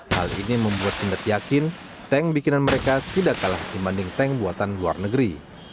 hal ini membuat pindad yakin tank bikinan mereka tidak kalah dibanding tank buatan luar negeri